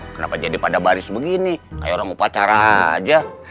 kenapa jadi pada baris begini kayak orang upacara aja